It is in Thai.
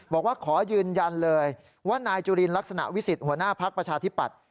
บอกว่าขอยืนยันเลยว่านายจุลินลักษณะวิสิทธิหัวหน้าภักดิ์ประชาธิปัตย